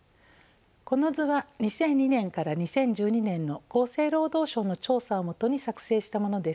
この図は２００２年から２０１２年の厚生労働省の調査をもとに作成したものです。